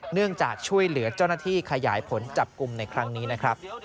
เนื่องจากช่วยเหลือเจ้าหน้าที่ขยายผลจับกลุ่มในครั้งนี้นะครับ